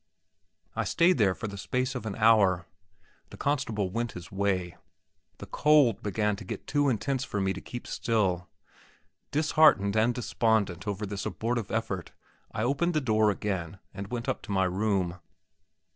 I stayed there for the space of an hour. The constable went his way. The cold began to get too intense for me to keep still. Disheartened and despondent over this abortive effort, I opened the door again, and went up to my room.